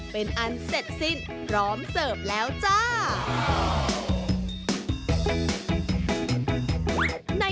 เป็นอันเสร็จสิ้นพร้อมเสิร์ฟแล้วจ้า